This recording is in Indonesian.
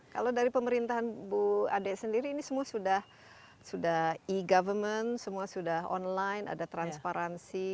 kalau dari pemerintahan bu ade sendiri ini semua sudah e government semua sudah online ada transparansi